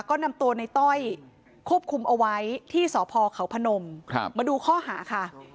ก็นำตัวในต้อยควบคุมเอาไว้ที่สพเขาพนมมาดูข้อหาค่ะ